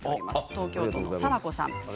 東京都の方です。